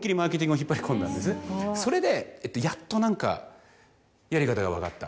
それでやっと何かやり方が分かった。